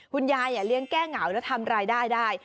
คุณยายเลี้ยงแก้เหงาแล้วทำรายได้ได้